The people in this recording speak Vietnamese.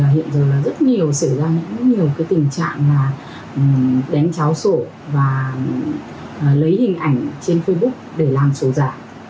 hiện giờ là rất nhiều xảy ra rất nhiều cái tình trạng là đánh tráo sổ và lấy hình ảnh trên facebook để làm sổ giả